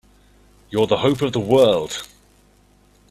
You're the hope of the world!